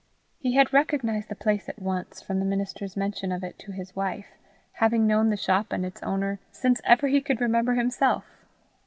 He had recognized the place at once from the minister's mention of it to his wife, having known the shop and its owner since ever he could remember himself.